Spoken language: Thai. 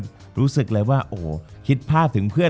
จบการโรงแรมจบการโรงแรม